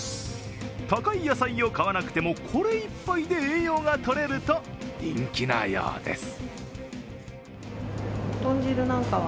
高い野菜を買わなくても、これ１杯で栄養がとれると人気なようです。